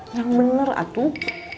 yang bener atuh